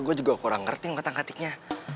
gue juga kurang ngerti ngotak ngatiknya